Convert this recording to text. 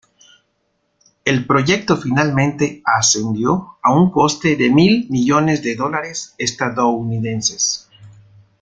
El proyecto finalmente ascendió a un coste de mil millones de dólares estadounidenses.